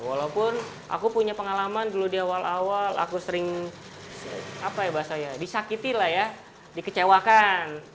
walaupun aku punya pengalaman dulu di awal awal aku sering disakiti lah ya dikecewakan